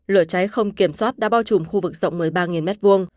lửa cháy không kiểm soát đã bao trùm khu vực rộng một mươi ba m hai